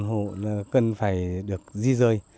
một mươi bốn hộ là cần phải được di rời